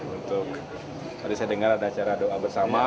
untuk tadi saya dengar ada acara doa bersama